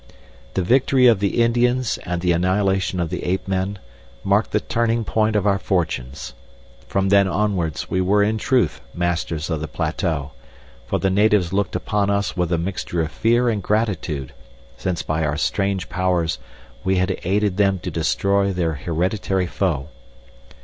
The victory of the Indians and the annihilation of the ape men, marked the turning point of our fortunes. From then onwards, we were in truth masters of the plateau, for the natives looked upon us with a mixture of fear and gratitude, since by our strange powers we had aided them to destroy their hereditary foe.